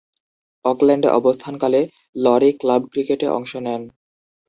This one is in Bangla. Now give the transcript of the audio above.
অকল্যান্ডে অবস্থানকালে লরি ক্লাব ক্রিকেটে অংশ নেন।